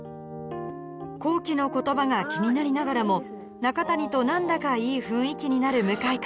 洸稀の言葉が気になりながらも中谷と何だかいい雰囲気になる向井くん